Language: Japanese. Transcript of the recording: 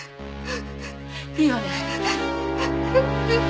いいわね？